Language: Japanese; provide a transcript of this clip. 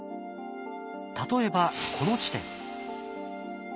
例えばこの地点。